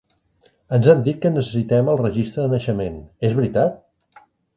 Ens han dit que necessitem el registre de naixement, és veritat?